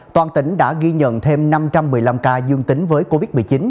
toàn tỉnh đã ghi nhận thêm năm trăm một mươi năm ca dương tính với covid một mươi chín